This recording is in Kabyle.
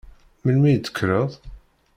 Melmi i d-tekkreḍ?